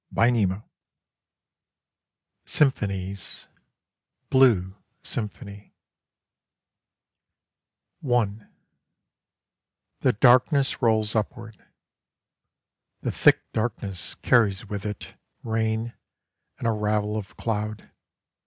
SECTION II SYMPHONIES BLUE SYMPHONY I The darkness rolls upward. The thick darkness carries with it Rain and a ravel of cloud.